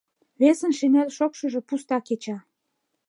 Весын шинель шокшыжо пуста кеча.